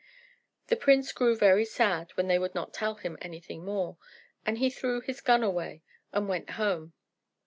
The prince grew very sad when they would not tell him anything more; and he threw his gun away, and went home.